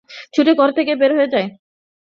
ছুটে ঘর থেকে বের হয়ে যায়।